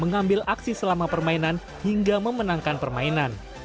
mengambil aksi selama permainan hingga memenangkan permainan